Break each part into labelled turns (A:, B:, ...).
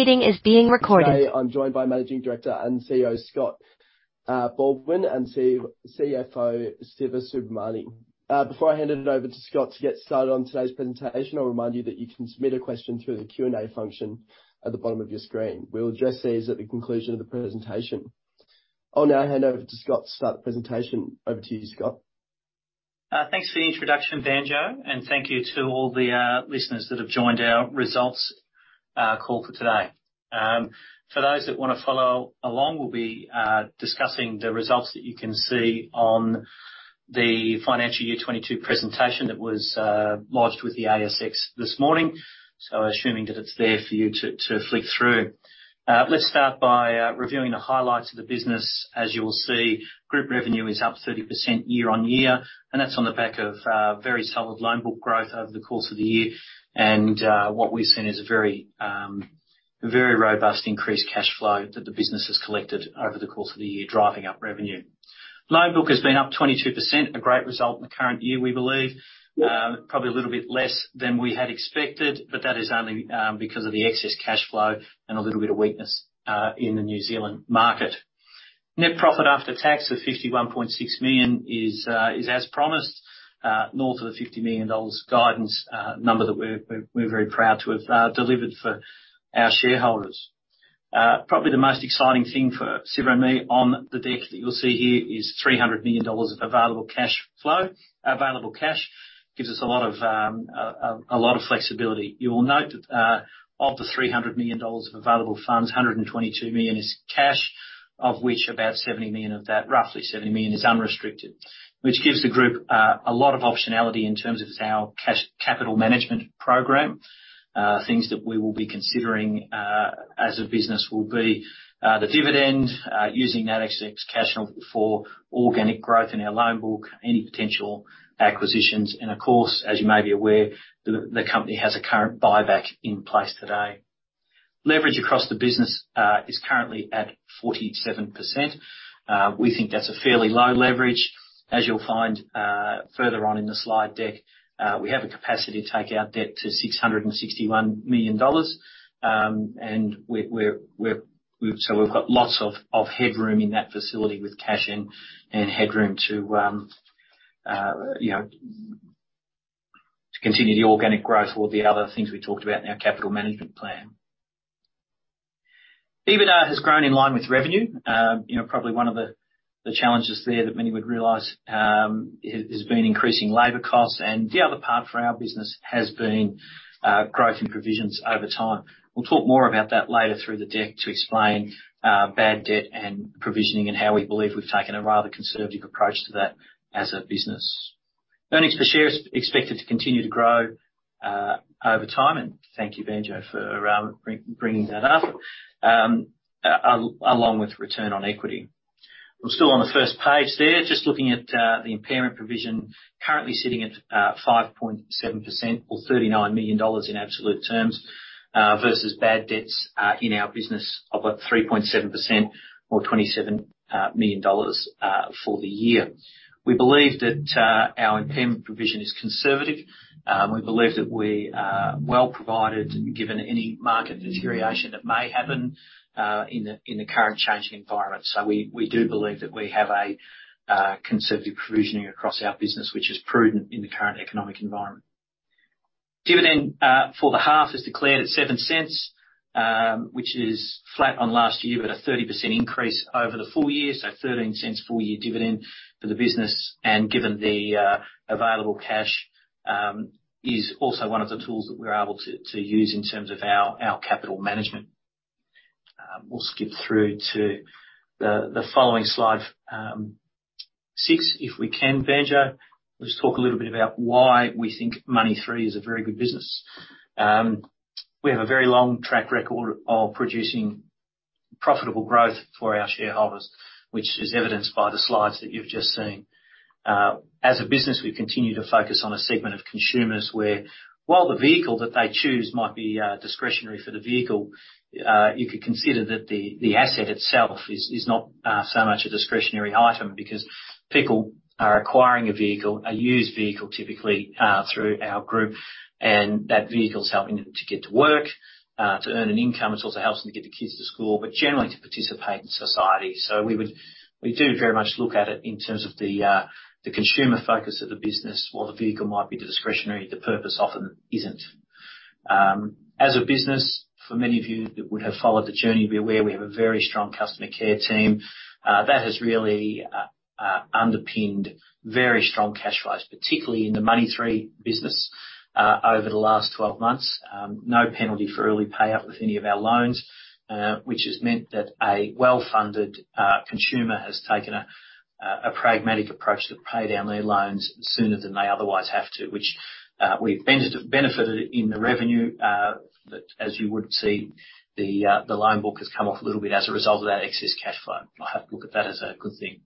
A: Today's meeting is being recorded. Today, I'm joined by Managing Director and CEO, Scott Baldwin, and CFO, Siva Subramani. Before I hand it over to Scott to get started on today's presentation, I'll remind you that you can submit a question through the Q&A function at the bottom of your screen. We'll address these at the conclusion of the presentation. I'll now hand over to Scott to start the presentation. Over to you, Scott.
B: Thanks for the introduction, Banjo, and thank you to all the listeners that have joined our results call for today. For those that wanna follow along, we'll be discussing the results that you can see on the financial year 2022 presentation that was lodged with the ASX this morning. Assuming that it's there for you to flick through. Let's start by reviewing the highlights of the business. As you will see, group revenue is up 30% year-on-year, and that's on the back of very solid loan book growth over the course of the year. What we've seen is a very robust increased cash flow that the business has collected over the course of the year, driving up revenue. Loan book has been up 22%, a great result in the current year, we believe. Probably a little bit less than we had expected, but that is only because of the excess cash flow and a little bit of weakness in the New Zealand market. Net profit after tax of 51.6 million is as promised north of the 50 million dollars guidance number that we're very proud to have delivered for our shareholders. Probably the most exciting thing for Siva and me on the deck that you'll see here is 300 million dollars of available cash flow. Available cash gives us a lot of flexibility. You will note that, of the 300 million dollars of available funds, 122 million is cash, of which about 70 million of that, roughly 70 million, is unrestricted. Which gives the group, a lot of optionality in terms of our capital management program. Things that we will be considering, as a business will be, the dividend, using that excess cash for organic growth in our loan book, any potential acquisitions, and of course, as you may be aware, the company has a current buyback in place today. Leverage across the business, is currently at 47%. We think that's a fairly low leverage. As you'll find, further on in the slide deck, we have a capacity to take our debt to 661 million dollars. We've got lots of headroom in that facility with cash and headroom to you know to continue the organic growth or the other things we talked about in our capital management plan. EBITDA has grown in line with revenue. You know, probably one of the challenges there that many would realize has been increasing labor costs. The other part for our business has been growth in provisions over time. We'll talk more about that later through the deck to explain bad debt and provisioning, and how we believe we've taken a rather conservative approach to that as a business. Earnings per share is expected to continue to grow over time, and thank you, Banjo, for bringing that up along with return on equity. We're still on the first page there, just looking at the impairment provision currently sitting at 5.7% or 39 million dollars in absolute terms, versus bad debts in our business of 3.7% or 27 million dollars for the year. We believe that our impairment provision is conservative. We believe that we are well provided, given any market deterioration that may happen in the current changing environment. We do believe that we have a conservative provisioning across our business, which is prudent in the current economic environment. Dividend for the half is declared at 0.07, which is flat on last year, but a 30% increase over the full year, so 0.13 full year dividend for the business. Given the available cash is also one of the tools that we're able to use in terms of our capital management. We'll skip through to the following slide six, if we can, Banjo. We'll just talk a little bit about why we think Money3 is a very good business. We have a very long track record of producing profitable growth for our shareholders, which is evidenced by the slides that you've just seen. As a business, we continue to focus on a segment of consumers where, while the vehicle that they choose might be discretionary for the vehicle, you could consider that the asset itself is not so much a discretionary item because people are acquiring a vehicle, a used vehicle, typically, through our group, and that vehicle is helping them to get to work to earn an income. It also helps them to get the kids to school, but generally to participate in society. We do very much look at it in terms of the consumer focus of the business. While the vehicle might be discretionary, the purpose often isn't. As a business, for many of you that would have followed the journey, you'll be aware we have a very strong customer care team that has really underpinned very strong cash flows, particularly in the Money3 business, over the last 12 months. No penalty for early pay up with any of our loans, which has meant that a well-funded consumer has taken a pragmatic approach to pay down their loans sooner than they otherwise have to, which we've benefited in the revenue that as you would see, the loan book has come off a little bit as a result of that excess cash flow. I look at that as a good thing.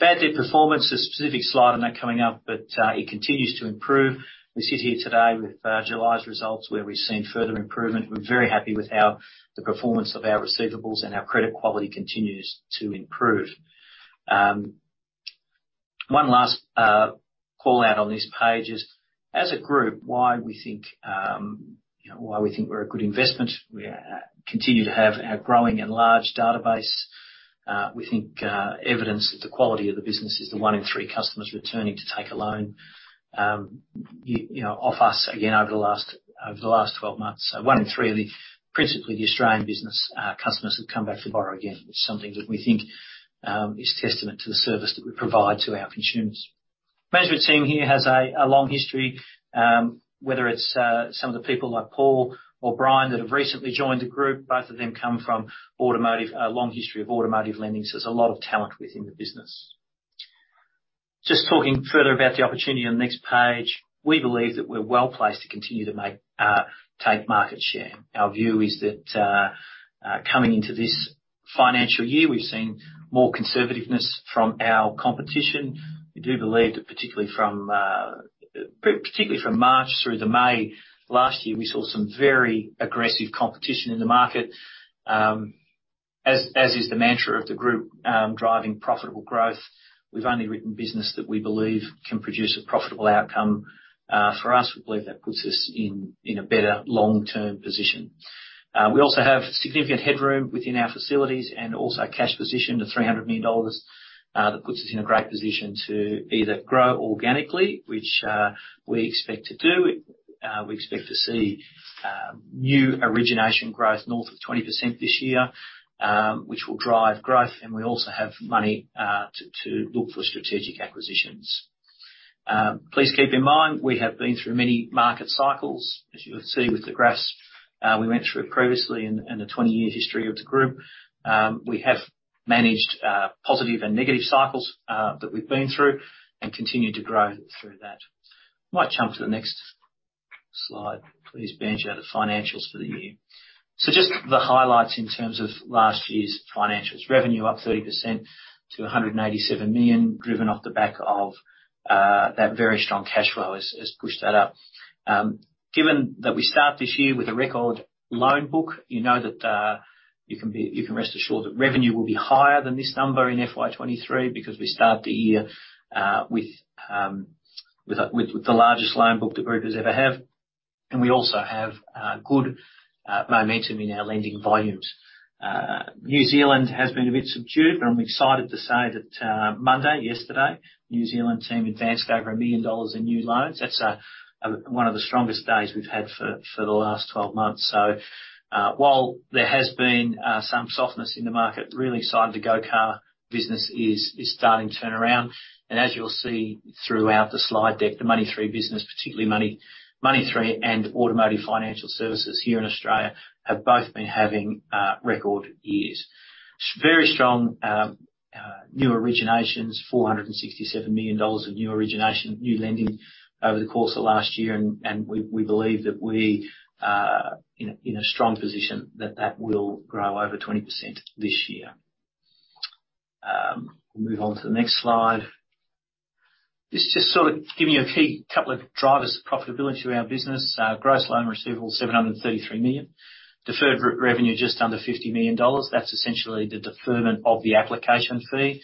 B: Bad debt performance, a specific slide on that coming up, but it continues to improve. We sit here today with July's results, where we've seen further improvement. We're very happy with how the performance of our receivables and our credit quality continues to improve. One last call out on this page is as a group, why we think, you know, we're a good investment. We continue to have our growing and large database. We think evidence that the quality of the business is the 1/3 customers returning to take a loan, you know, off us again over the last 12 months. One third of the, principally the Australian business, customers have come back to borrow again. It's something that we think is testament to the service that we provide to our consumers. Management team here has a long history. Whether it's some of the people like Paul or Brian that have recently joined the group, both of them come from automotive, a long history of automotive lending. There's a lot of talent within the business. Just talking further about the opportunity on the next page, we believe that we're well-placed to continue to take market share. Our view is that, coming into this financial year, we've seen more conservativeness from our competition. We do believe that particularly from March through to May last year, we saw some very aggressive competition in the market. As is the mantra of the group, driving profitable growth, we've only written business that we believe can produce a profitable outcome for us. We believe that puts us in a better long-term position. We also have significant headroom within our facilities and also a cash position of 300 million dollars that puts us in a great position to either grow organically, which we expect to do. We expect to see new origination growth north of 20% this year, which will drive growth. We also have money to look for strategic acquisitions. Please keep in mind, we have been through many market cycles, as you'll see with the graphs we went through previously in the 20-year history of the group. We have managed positive and negative cycles that we've been through and continued to grow through that. Might jump to the next slide, please, Banjo. The financials for the year. Just the highlights in terms of last year's financials. Revenue up 30% to 187 million, driven off the back of that very strong cash flow has pushed that up. Given that we start this year with a record loan book, you know that you can rest assured that revenue will be higher than this number in FY 2023 because we start the year with the largest loan book the group has ever had. We also have good momentum in our lending volumes. New Zealand has been a bit subdued, but I'm excited to say that Monday, yesterday, New Zealand team advanced over 1 million dollars in new loans. That's one of the strongest days we've had for the last 12 months. While there has been some softness in the market, really excited the Go Car business is starting to turn around. As you'll see throughout the slide deck, the Money3 business, particularly Money3 and Automotive Financial Services here in Australia, have both been having record years. Very strong new originations, 467 million dollars of new lending over the course of last year. We believe that we are in a strong position that will grow over 20% this year. We'll move on to the next slide. This is just sort of giving you a key couple of drivers of profitability to our business. Gross loan receivable, 733 million. Deferred revenue, just under 50 million dollars. That's essentially the deferment of the application fee.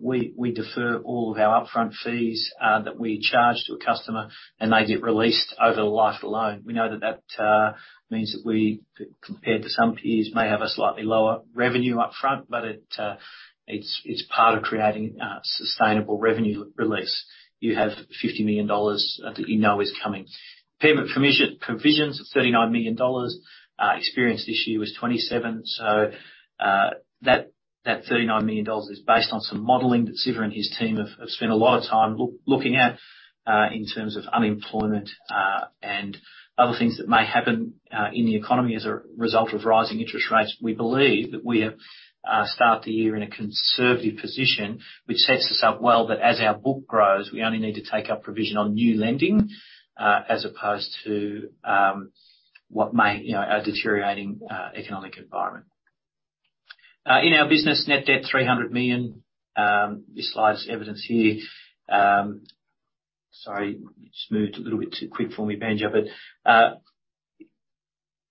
B: We defer all of our upfront fees that we charge to a customer, and they get released over the life of the loan. We know that means that we, compared to some peers, may have a slightly lower revenue up front, but it's part of creating a sustainable revenue release. You have 50 million dollars that you know is coming. Impairment provisions of 39 million dollars. Experience this year was 27. That 39 million is based on some modeling that Siva and his team have spent a lot of time looking at in terms of unemployment and other things that may happen in the economy as a result of rising interest rates. We believe that we have started the year in a conservative position, which sets us up well that as our book grows, we only need to take up provision on new lending, as opposed to what may, you know, be a deteriorating economic environment. In our business, net debt 300 million. This slide's evidence here. Sorry, it just moved a little bit too quick for me, Banjo.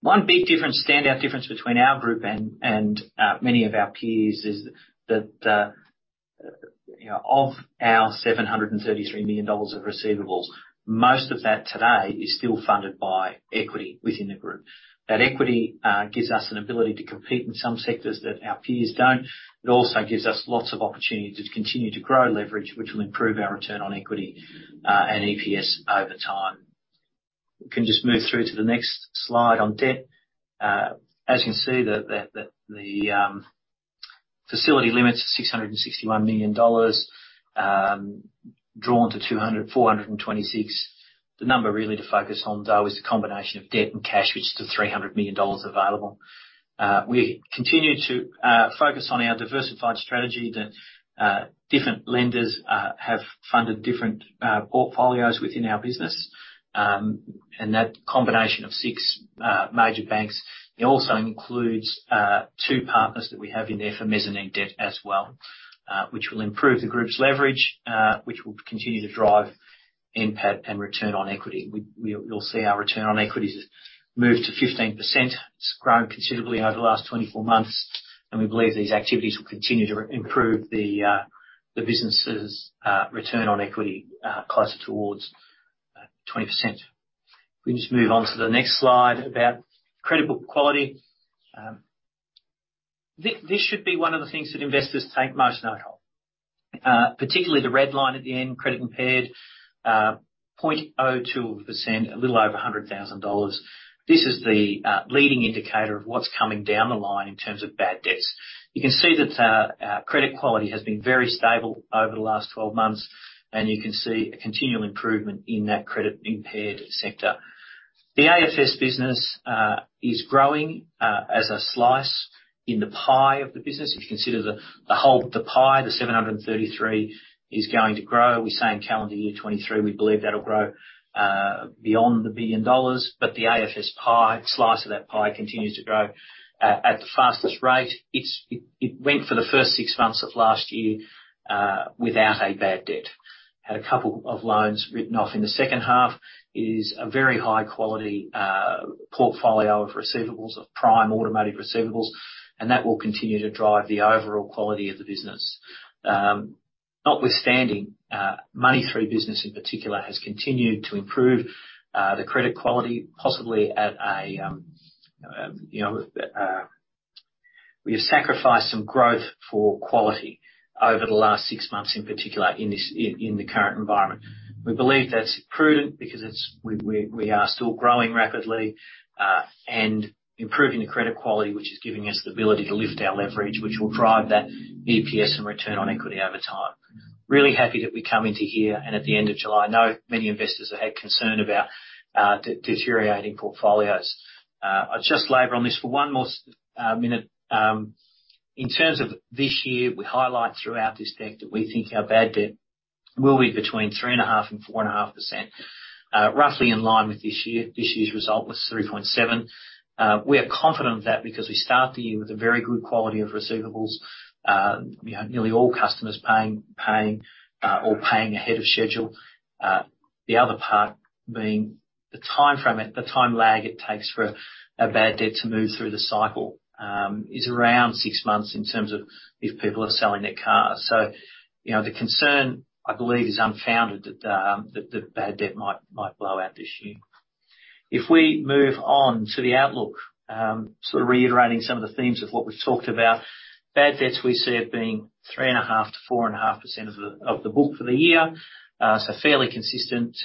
B: One big difference, standout difference between our group and many of our peers is that, you know, of our 733 million dollars of receivables, most of that today is still funded by equity within the group. That equity gives us an ability to compete in some sectors that our peers don't. It also gives us lots of opportunity to continue to grow leverage, which will improve our return on equity and EPS over time. We can just move through to the next slide on debt. As you can see the facility limits 661 million dollars, drawn 426 million. The number really to focus on though is the combination of debt and cash, which is the 300 million dollars available. We continue to focus on our diversified strategy. The different lenders have funded different portfolios within our business. That combination of six major banks, it also includes two partners that we have in there for mezzanine debt as well, which will improve the group's leverage, which will continue to drive NPAT and return on equity. You'll see our return on equity has moved to 15%. It's grown considerably over the last 24 months, and we believe these activities will continue to improve the business's return on equity closer towards 20%. We just move on to the next slide about credit book quality. This should be one of the things that investors take most note of. Particularly the red line at the end, credit impaired 0.02%, a little over 100,000 dollars. This is the leading indicator of what's coming down the line in terms of bad debts. You can see that our credit quality has been very stable over the last 12 months, and you can see a continual improvement in that credit-impaired sector. The AFS business is growing as a slice of the pie of the business. If you consider the whole pie, 733 million is going to grow. We say in calendar year 2023, we believe that'll grow beyond 1 billion dollars. The AFS slice of that pie continues to grow at the fastest rate. It went for the first six months of last year without a bad debt. Had a couple of loans written off in the second half. It is a very high quality portfolio of receivables, of prime automotive receivables, and that will continue to drive the overall quality of the business. Notwithstanding, Money3 business in particular has continued to improve the credit quality, possibly at a, you know, we have sacrificed some growth for quality over the last six months, in particular in this current environment. We believe that's prudent because we are still growing rapidly and improving the credit quality, which is giving us the ability to lift our leverage, which will drive that EPS and return on equity over time. Really happy that we come into FY 2024 at the end of July. I know many investors are concerned about deteriorating portfolios. I'll just elaborate on this for one more minute. In terms of this year, we highlight throughout this deck that we think our bad debt will be between 3.5% and 4.5%, roughly in line with this year. This year's result was 3.7%. We are confident of that because we start the year with a very good quality of receivables. You know, nearly all customers paying or paying ahead of schedule. The other part being the time lag it takes for a bad debt to move through the cycle is around six months in terms of if people are selling their cars. You know, the concern, I believe, is unfounded that the bad debt might blow out this year. If we move on to the outlook, sort of reiterating some of the themes of what we've talked about. Bad debts we see it being 3.5%-4.5% of the book for the year. Fairly consistent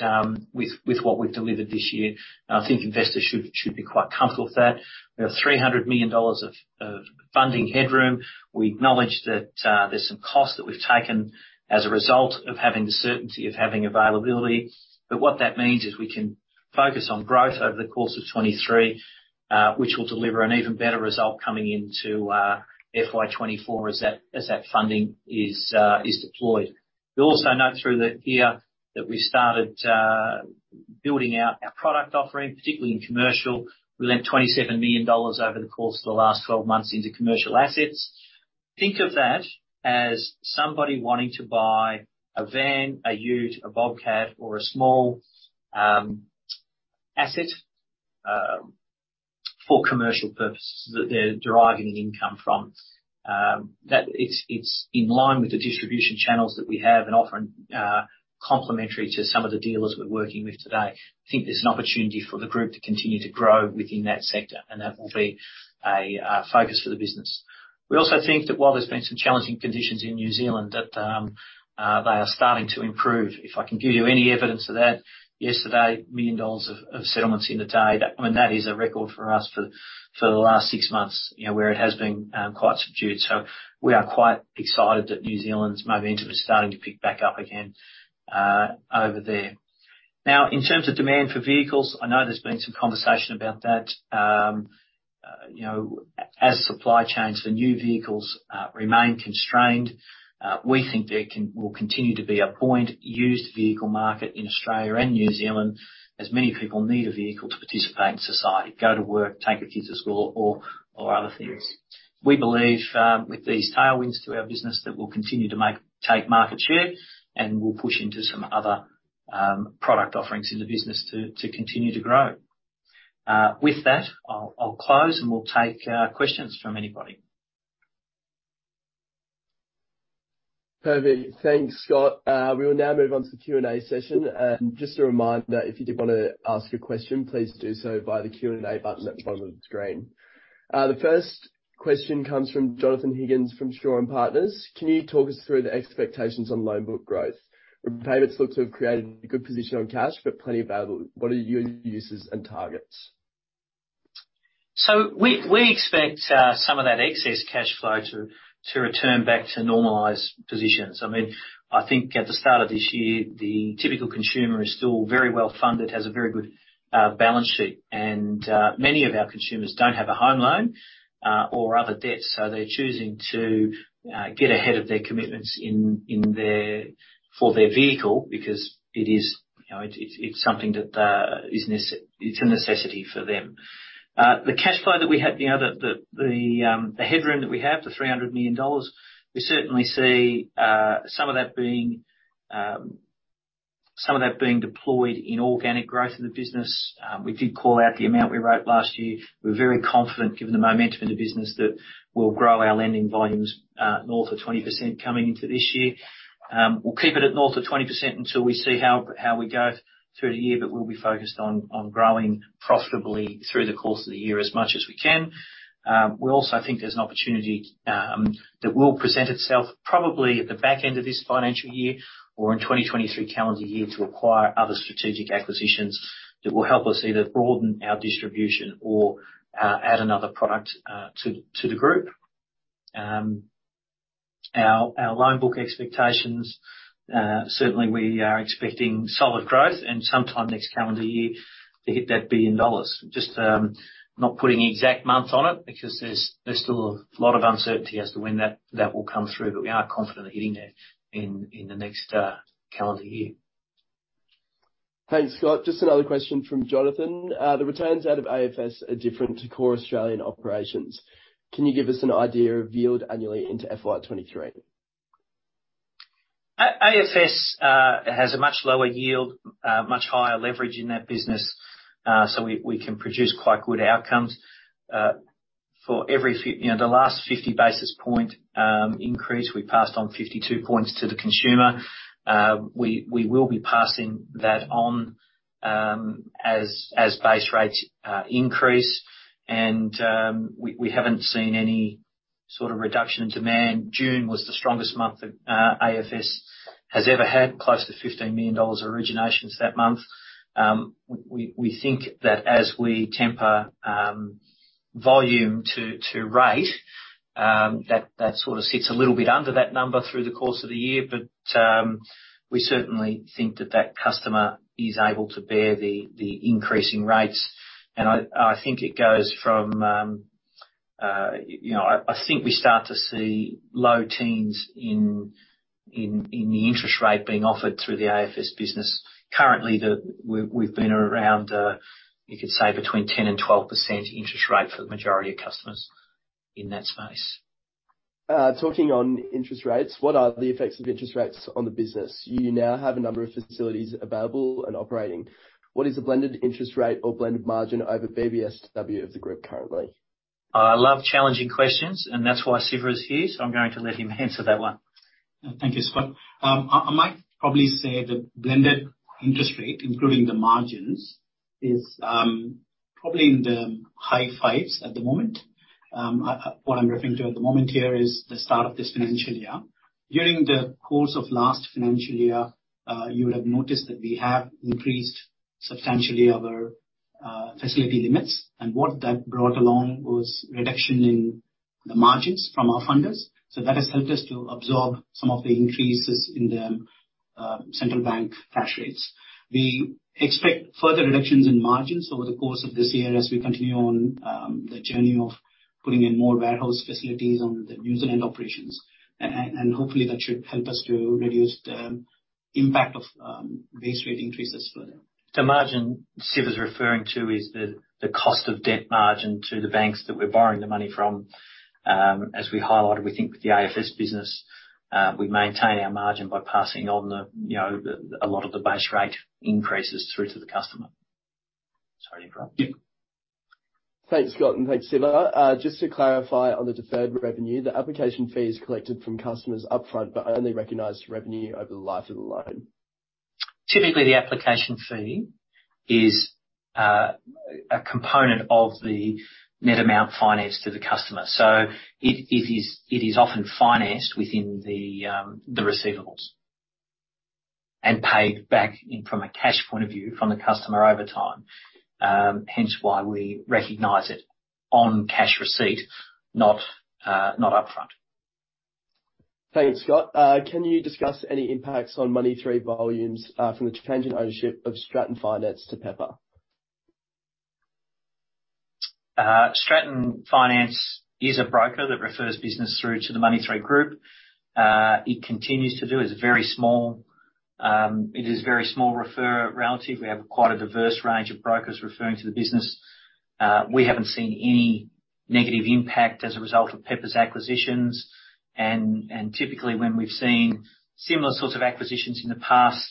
B: with what we've delivered this year. I think investors should be quite comfortable with that. We have 300 million dollars of funding headroom. We acknowledge that, there's some costs that we've taken as a result of having the certainty of having availability. What that means is we can focus on growth over the course of 2023, which will deliver an even better result coming into FY 2024 as that funding is deployed. You'll also note through here that we started building out our product offering, particularly in commercial. We lent 27 million dollars over the course of the last 12 months into commercial assets. Think of that as somebody wanting to buy a van, a ute, a bobcat, or a small asset for commercial purposes that they're deriving income from. That it's in line with the distribution channels that we have and often complementary to some of the dealers we're working with today. I think there's an opportunity for the group to continue to grow within that sector, and that will be a focus for the business. We also think that while there's been some challenging conditions in New Zealand that they are starting to improve. If I can give you any evidence of that, yesterday, 1 million dollars of settlements in the day. That, I mean, is a record for us for the last six months, you know, where it has been quite subdued. We are quite excited that New Zealand's momentum is starting to pick back up again over there. Now, in terms of demand for vehicles, I know there's been some conversation about that. You know, as supply chains for new vehicles remain constrained, we think there will continue to be a buoyant used vehicle market in Australia and New Zealand, as many people need a vehicle to participate in society, go to work, take the kids to school, or other things. We believe with these tailwinds to our business that we'll continue to take market share, and we'll push into some other product offerings in the business to continue to grow. With that, I'll close, and we'll take questions from anybody.
A: Perfect. Thanks, Scott. We will now move on to the Q&A session. Just a reminder, if you did wanna ask your question, please do so via the Q&A button at the bottom of the screen. The first question comes from Jonathon Higgins from Shaw and Partners. Can you talk us through the expectations on loan book growth? Repayments look to have created a good position on cash, but plenty available. What are your uses and targets?
B: We expect some of that excess cash flow to return back to normalized positions. I mean, I think at the start of this year, the typical consumer is still very well funded, has a very good balance sheet. Many of our consumers don't have a home loan or other debts, so they're choosing to get ahead of their commitments for their vehicle because it is, you know, it's something that is a necessity for them. The cash flow that we have, you know, the headroom that we have, the 300 million dollars, we certainly see some of that being deployed in organic growth of the business. We did call out the amount we wrote last year. We're very confident, given the momentum of the business, that we'll grow our lending volumes north of 20% coming into this year. We'll keep it at north of 20% until we see how we go through the year, but we'll be focused on growing profitably through the course of the year as much as we can. We also think there's an opportunity that will present itself probably at the back end of this financial year or in 2023 calendar year to acquire other strategic acquisitions that will help us either broaden our distribution or add another product to the group. Our loan book expectations, certainly we are expecting solid growth and sometime next calendar year to hit 1 billion dollars. Just not putting an exact month on it because there's still a lot of uncertainty as to when that will come through. We are confident of hitting it in the next calendar year.
A: Thanks, Scott. Just another question from Jonathon. The returns out of AFS are different to core Australian operations. Can you give us an idea of yield annually into FY 2023?
B: AFS has a much lower yield, much higher leverage in that business. So we can produce quite good outcomes. For every, you know, the last 50 basis points increase, we passed on 52 points to the consumer. We will be passing that on as base rates increase. We haven't seen any sort of reduction in demand. June was the strongest month that AFS has ever had, close to 15 million dollars originations that month. We think that as we temper volume to rate, that sort of sits a little bit under that number through the course of the year. We certainly think that that customer is able to bear the increasing rates. I think it goes from, you know. I think we start to see low teens in the interest rate being offered through the AFS business. Currently we've been around, you could say between 10% and 12% interest rate for the majority of customers in that space.
A: Talking on interest rates, what are the effects of interest rates on the business? You now have a number of facilities available and operating. What is the blended interest rate or blended margin over BBSW of the group currently?
B: I love challenging questions and that's why Siva is here, so I'm going to let him answer that one.
C: Thank you, Scott. I might probably say the blended interest rate, including the margins, is probably in the high fives at the moment. What I'm referring to at the moment here is the start of this financial year. During the course of last financial year, you would have noticed that we have increased substantially our facility limits. What that brought along was reduction in the margins from our funders. That has helped us to absorb some of the increases in the central bank cash rates. We expect further reductions in margins over the course of this year as we continue on the journey of putting in more warehouse facilities on the New Zealand operations. Hopefully, that should help us to reduce the impact of base rate increases further.
B: The margin Siva is referring to is the cost of debt margin to the banks that we're borrowing the money from. As we highlighted, we think with the AFS business, we maintain our margin by passing on you know a lot of the base rate increases through to the customer. Sorry to interrupt you.
A: Thanks, Scott, and thanks, Siva. Just to clarify on the deferred revenue, the application fee is collected from customers upfront, but only recognized revenue over the life of the loan.
B: Typically, the application fee is a component of the net amount financed to the customer. It is often financed within the receivables and paid back in from a cash point of view from the customer over time. Hence why we recognize it on cash receipt, not upfront.
A: Thanks, Scott. Can you discuss any impacts on Money3 volumes from the change in ownership of Stratton Finance to Pepper?
B: Stratton Finance is a broker that refers business through to the Money3 Group. It continues to do. It's very small. It is very small referral relative. We have quite a diverse range of brokers referring to the business. We haven't seen any negative impact as a result of Pepper Money's acquisitions. Typically when we've seen similar sorts of acquisitions in the past,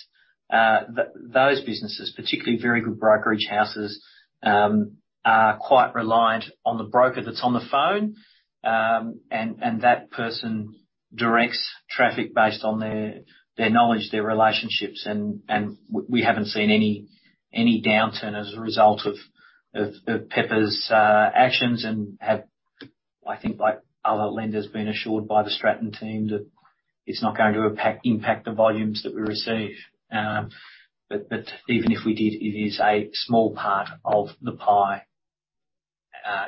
B: those businesses, particularly very good brokerage houses, are quite reliant on the broker that's on the phone. That person directs traffic based on their knowledge, their relationships. We haven't seen any downturn as a result of Pepper Money's actions and have, I think, like other lenders, been assured by the Stratton team that it's not going to impact the volumes that we receive. Even if we did, it is a small part of the pie,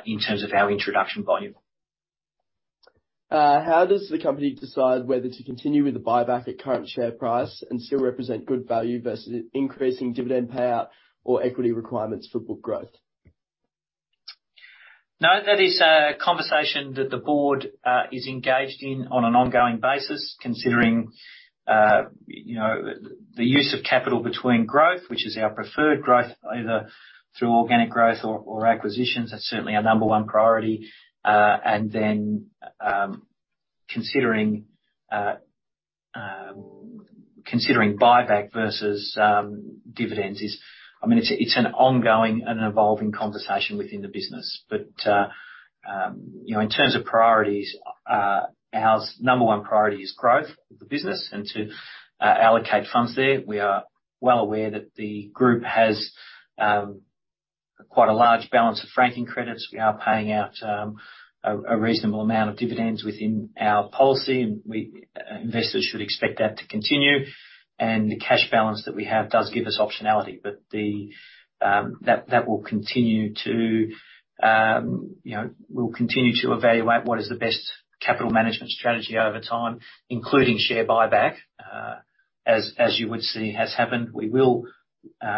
B: in terms of our introduction volume.
A: How does the company decide whether to continue with the buyback at current share price and still represent good value versus increasing dividend payout or equity requirements for book growth?
B: No, that is a conversation that the board is engaged in on an ongoing basis, considering, you know, the use of capital between growth, which is our preferred growth, either through organic growth or acquisitions. That's certainly our number one priority. Then, considering buyback versus dividends is, I mean, it's an ongoing and an evolving conversation within the business. You know, in terms of priorities, our number one priority is growth of the business and to allocate funds there. We are well aware that the group has quite a large balance of franking credits. We are paying out a reasonable amount of dividends within our policy, and investors should expect that to continue. The cash balance that we have does give us optionality. We'll continue to evaluate what is the best capital management strategy over time, including share buyback, as you would see, has happened. We're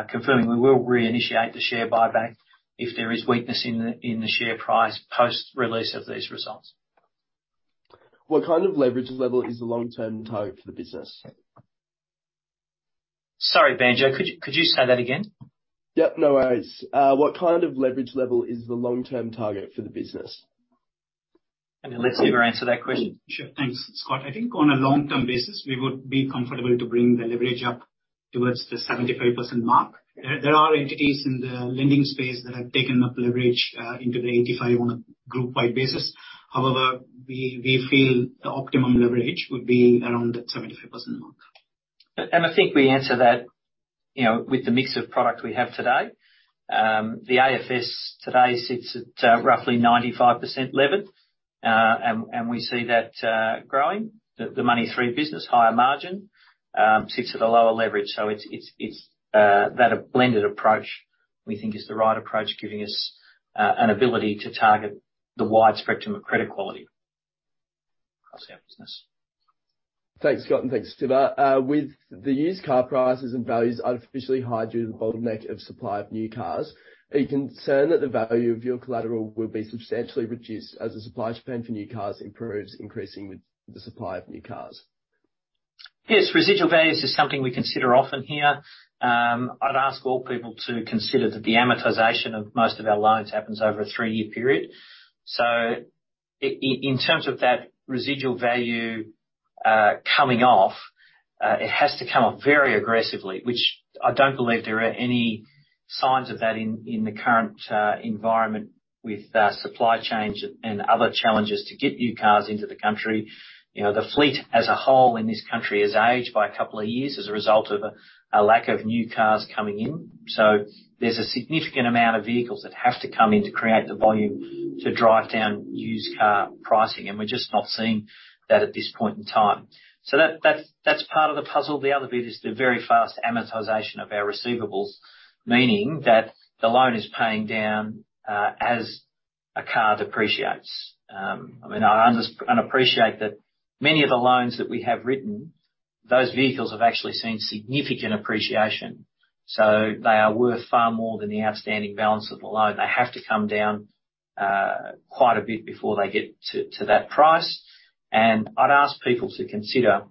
B: confirming we will reinitiate the share buyback if there is weakness in the share price post-release of these results.
A: What kind of leverage level is the long-term target for the business?
B: Sorry, Banjo, could you say that again?
A: Yep, no worries. What kind of leverage level is the long-term target for the business?
B: Let's let Siva answer that question.
C: Sure. Thanks, Scott. I think on a long-term basis, we would be comfortable to bring the leverage up towards the 75% mark. There are entities in the lending space that have taken up leverage into the 85% on a group-wide basis. However, we feel the optimum leverage would be around the 75% mark.
B: I think we answer that, you know, with the mix of product we have today. The AFS today sits at roughly 95% levered. And we see that growing. The Money3 business higher margin sits at a lower leverage. It's that blended approach we think is the right approach, giving us an ability to target the wide spectrum of credit quality across our business.
A: Thanks, Scott, and thanks, Siva. With the used car prices and values artificially high due to the bottleneck of supply of new cars, are you concerned that the value of your collateral will be substantially reduced as the supply chain for new cars improves, increasing with the supply of new cars?
B: Yes. Residual values is something we consider often here. I'd ask all people to consider that the amortization of most of our loans happens over a three-year period. In terms of that residual value coming off, it has to come off very aggressively, which I don't believe there are any signs of that in the current environment with supply chains and other challenges to get new cars into the country. You know, the fleet as a whole in this country has aged by a couple of years as a result of a lack of new cars coming in. There's a significant amount of vehicles that have to come in to create the volume to drive down used car pricing, and we're just not seeing that at this point in time. That's part of the puzzle. The other bit is the very fast amortization of our receivables, meaning that the loan is paying down, as a car depreciates. I mean, I understand and appreciate that many of the loans that we have written, those vehicles have actually seen significant appreciation. They are worth far more than the outstanding balance of the loan. They have to come down, quite a bit before they get to that price. I'd ask people to consider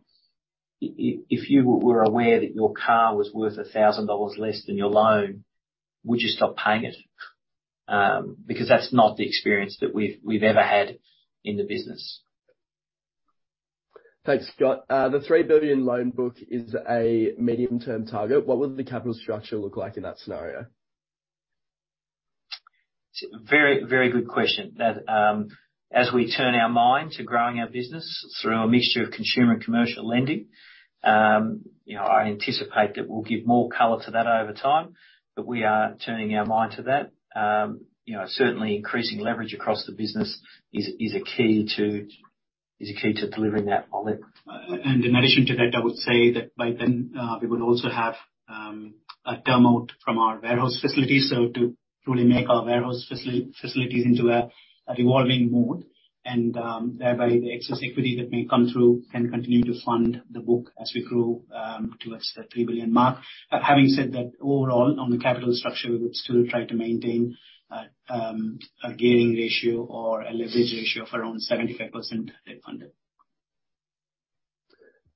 B: if you were aware that your car was worth 1,000 dollars less than your loan, would you stop paying it? Because that's not the experience that we've ever had in the business.
A: Thanks, Scott. The 3 billion loan book is a medium-term target. What would the capital structure look like in that scenario?
B: Very, very good question. That, as we turn our mind to growing our business through a mixture of consumer and commercial lending, you know, I anticipate that we'll give more color to that over time, but we are turning our mind to that. You know, certainly increasing leverage across the business is a key to delivering that on it.
C: In addition to that, I would say that by then, we would also have a term out from our warehouse facilities. To truly make our warehouse facilities into a revolving mode. Thereby the excess equity that may come through can continue to fund the book as we grow towards the 3 billion mark. Having said that, overall, on the capital structure, we would still try to maintain a gearing ratio or a leverage ratio of around 75% debt funded.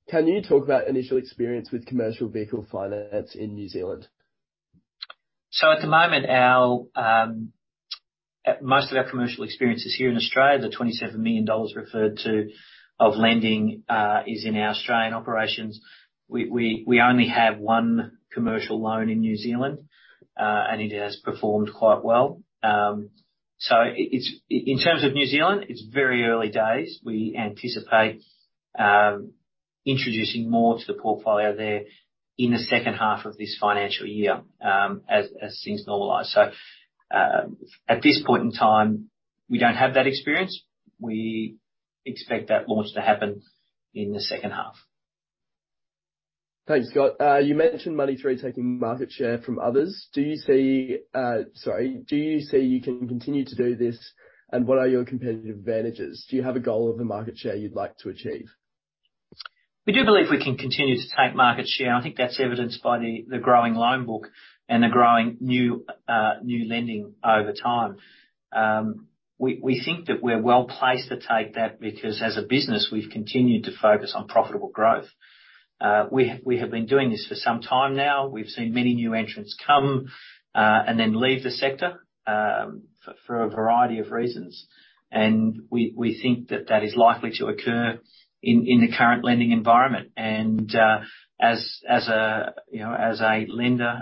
A: Can you talk about initial experience with commercial vehicle finance in New Zealand?
B: At the moment, our most of our commercial experience is here in Australia. The 27 million dollars referred to of lending is in our Australian operations. We only have one commercial loan in New Zealand, and it has performed quite well. In terms of New Zealand, it's very early days. We anticipate introducing more to the portfolio there in the second half of this financial year, as things normalize. At this point in time, we don't have that experience. We expect that launch to happen in the second half.
A: Thanks, Scott. You mentioned Money3 taking market share from others. Do you see you can continue to do this? What are your competitive advantages? Do you have a goal of the market share you'd like to achieve?
B: We do believe we can continue to take market share, and I think that's evidenced by the growing loan book and the growing new lending over time. We think that we're well placed to take that because as a business, we've continued to focus on profitable growth. We have been doing this for some time now. We've seen many new entrants come and then leave the sector for a variety of reasons. We think that is likely to occur in the current lending environment. As a lender, you know,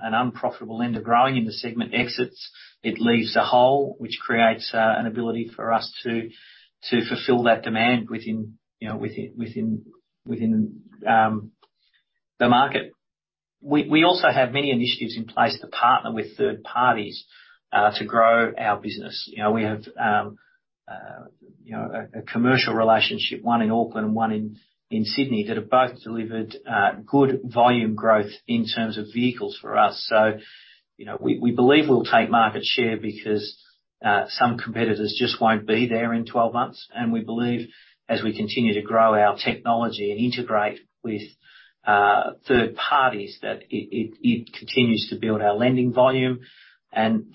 B: an unprofitable lender growing in the segment exits, it leaves a hole which creates an ability for us to fulfill that demand within, you know, the market. We also have many initiatives in place to partner with third parties to grow our business. You know, we have a commercial relationship, one in Auckland and one in Sydney that have both delivered good volume growth in terms of vehicles for us. You know, we believe we'll take market share because some competitors just won't be there in 12 months. We believe, as we continue to grow our technology and integrate with third parties, that it continues to build our lending volume.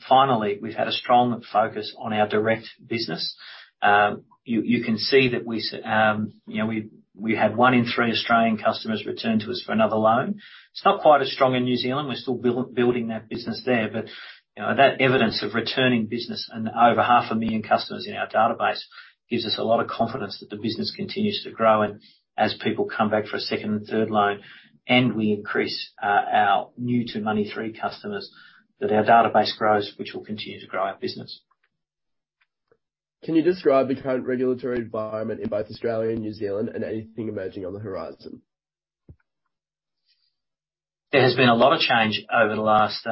B: Finally, we've had a strong focus on our direct business. You can see that we had one in three Australian customers return to us for another loan. It's not quite as strong in New Zealand. We're still building that business there. You know, that evidence of returning business and over half a million customers in our database gives us a lot of confidence that the business continues to grow. As people come back for a second and third loan, and we increase our new to Money3 customers, that our database grows, which will continue to grow our business.
A: Can you describe the current regulatory environment in both Australia and New Zealand and anything emerging on the horizon?
B: There has been a lot of change over the last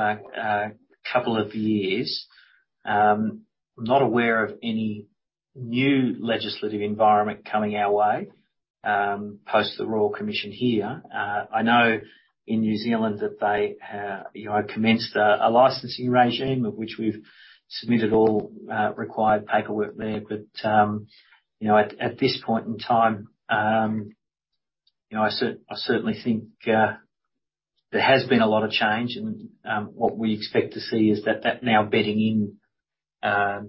B: couple of years. I'm not aware of any new legislative environment coming our way, post the Royal Commission here. I know in New Zealand that they, you know, commenced a licensing regime, of which we've submitted all required paperwork there. But, you know, at this point in time, you know, I certainly think there has been a lot of change. What we expect to see is that now bedding in,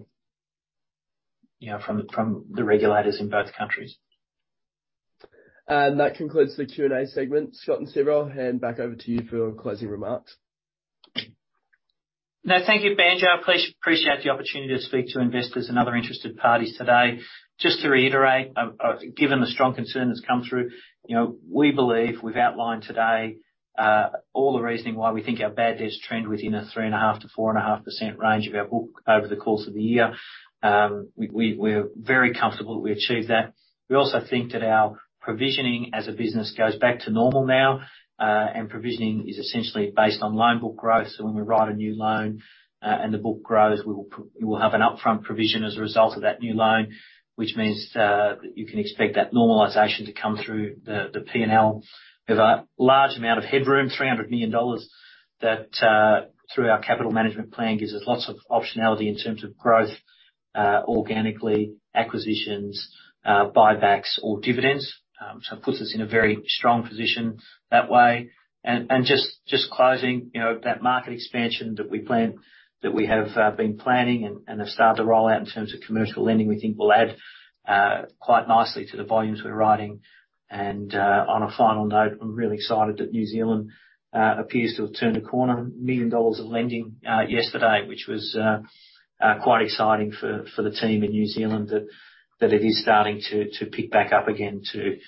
B: you know, from the regulators in both countries.
A: That concludes the Q&A segment. Scott and Siva, I'll hand back over to you for your closing remarks.
B: No, thank you, Banjo. I appreciate the opportunity to speak to investors and other interested parties today. Just to reiterate, given the strong concern that's come through, you know, we believe we've outlined today, all the reasoning why we think our bad debts trend within a 3.5%-4.5% range of our book over the course of the year. We're very comfortable that we achieved that. We also think that our provisioning as a business goes back to normal now, and provisioning is essentially based on loan book growth. When we write a new loan, and the book grows, we will have an upfront provision as a result of that new loan, which means, you can expect that normalization to come through the P&L. We have a large amount of headroom, 300 million dollars, that through our capital management plan gives us lots of optionality in terms of growth, organically, acquisitions, buybacks or dividends. It puts us in a very strong position that way. Just closing, you know, that market expansion that we planned, that we have been planning and have started to roll out in terms of commercial lending, we think will add quite nicely to the volumes we're writing. On a final note, I'm really excited that New Zealand appears to have turned a corner. 1 million dollars of lending yesterday, which was quite exciting for the team in New Zealand that it is starting to pick back up again to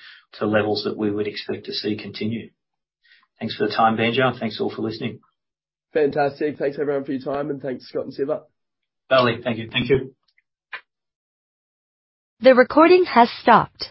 B: levels that we would expect to see continue. Thanks for the time, Banjo, and thanks all for listening.
A: Fantastic. Thanks everyone for your time and thanks, Scott and Siva.
B: Thank you.
C: Thank you.
A: The recording has stopped.